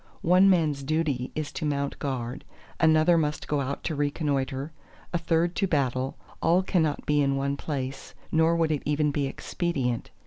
one man's duty is to mount guard, another must go out to reconnoitre, a third to battle; all cannot be in one place, nor would it even be expedient.